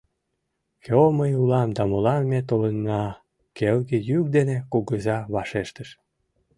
— Кӧ мый улам да молан ме толынна? — келге йӱк дене кугыза вашештыш.